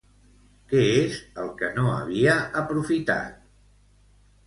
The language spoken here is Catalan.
Què és el que no havia aprofitat?